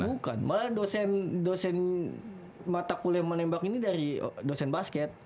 bukan malah dosen mata kuliah menembak ini dari dosen basket